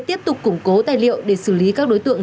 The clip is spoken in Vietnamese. tiếp tục củng cố tài liệu để xử lý các đối tượng